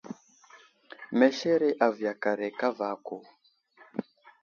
Meshere a viyakaray kava aku.